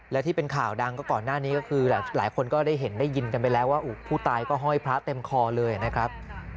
และที่เป็นข่าวดังก็ก่อนหน้านี้ก็คือหลายคนก็ได้เห็นได้ยินกันไปแล้วว่าผู้ตายก็ห้อยพระเต็มคอเลยนะครับ